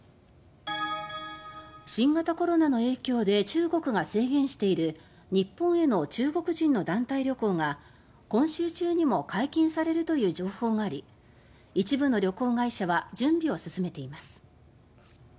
新型コロナの影響で中国が制限している日本への中国人の団体旅行が今週中にも解禁されるという情報があり一部の旅行会社は準備を進めています。